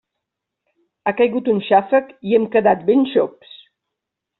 Ha caigut un xàfec i hem quedat ben xops!